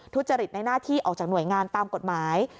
ทุจริตในหน้าที่ออกจากหน่วยงานตามกฎหมาย